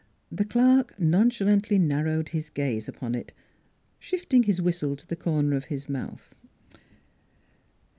The clerk nonchalantly narrowed his gaze NEIGHBORS 243 upon it, shifting his whistle to the corner of his mouth.